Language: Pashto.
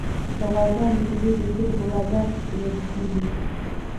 د غواګانو شیدې د کلي په بازار کې پلورل کیږي.